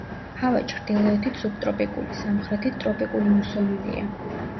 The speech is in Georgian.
ჰავა ჩრდილოეთით სუბტროპიკული, სამხრეთით ტროპიკული მუსონურია.